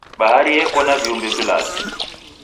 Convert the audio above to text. Bahari yeko na viumbe vilazi.